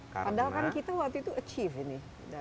padahal kan kita waktu itu achieve ini